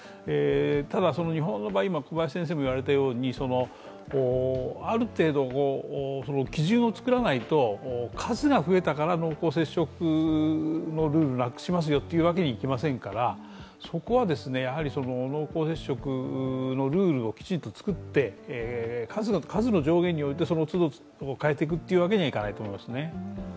ただ日本の場合、ある程度、基準を作らないと数が増えたから濃厚接触のルールをなくしますよというわけにいきませんからそこは、濃厚接触のルールをきちんと作って、数の上限において、その都度変えていくわけにはいかないと思います。